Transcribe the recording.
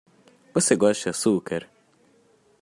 Você gosta de açúcar?